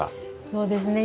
そうですね